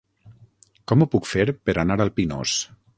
Com ho puc fer per anar al Pinós?